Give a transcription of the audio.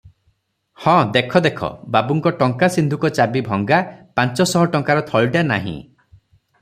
ହଁ, ଦେଖ ଦେଖ, ବାବୁଙ୍କ ଟଙ୍କା ସିନ୍ଦୁକ ଚାବି ଭଙ୍ଗା, ପାଞ୍ଚ ଶହ ଟଙ୍କାର ଥଳିଟା ନାହିଁ ।